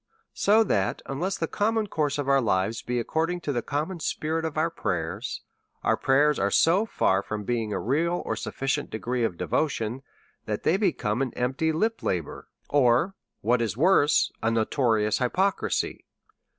So that, unless the common course of our lives be ac cording to the common spirit of our prayers, our prayers are so far from being a real or sufficient de gree of devotion, that they become an empty lip la bour, or, what is worse, a notorious hypocrisy.